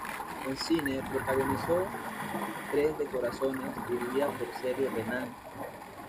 En cine protagonizó "Tres de corazones" dirigida por Sergio Renán.